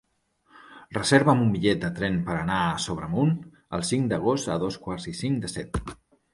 Reserva'm un bitllet de tren per anar a Sobremunt el cinc d'agost a dos quarts i cinc de set.